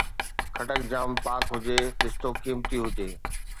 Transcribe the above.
خٽڪ جام پاڪ هجي، رشتو قيمتي هجي